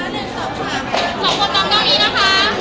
ที่เจนนี่ของกล้องนี้นะคะ